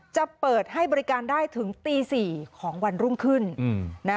จะเปิดให้บริการได้ถึงตี๔ของวันรุ่งขึ้น